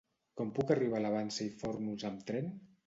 Com puc arribar a la Vansa i Fórnols amb tren?